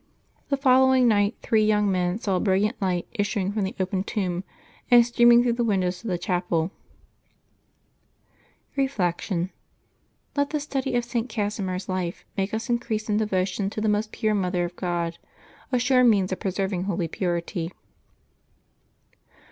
The following night three UARca 51 LIVES OF THE SAINTS 97 young men saw a brilliant light issuing from the open tomb and streaming through the windows of the chapel. Reflection. — Let the study of St. Casimir's life make us increase in devotion to the most pure Mother of God — a sure means of preserving holy purity.